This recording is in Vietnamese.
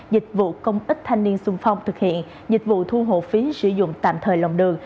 dịch vụ công ích thanh niên sung phong thực hiện dịch vụ thu hộ phí sử dụng tạm thời lòng đường